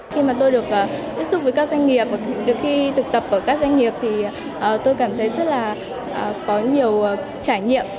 khi mà tôi được tiếp xúc với các doanh nghiệp được khi thực tập ở các doanh nghiệp thì tôi cảm thấy rất là có nhiều trải nghiệm